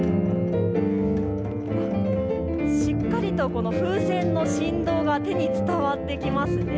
しっかりとこの風船の振動が手に伝わってきます。